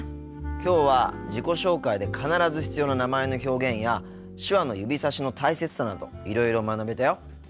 きょうは自己紹介で必ず必要な名前の表現や手話の指さしの大切さなどいろいろ学べたよ。